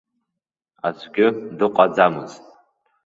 Аӡәгьы дыҟаӡамызт.